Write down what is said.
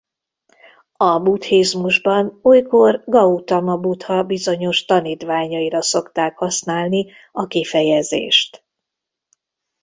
A buddhizmusban olykor Gautama Buddha bizonyos tanítványaira szokták használni a kifejezést.